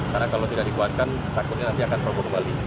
karena kalau tidak dikuatkan takutnya nanti akan prokurmbali